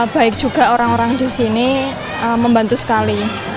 baik juga orang orang di sini membantu sekali